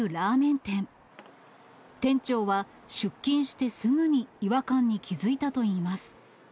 店長は出勤してすぐに違和感に気付いたといいます。